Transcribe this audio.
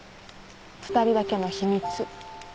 ２人だけの秘密。